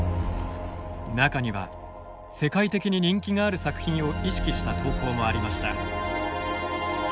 中には世界的に人気がある作品を意識した投稿もありました。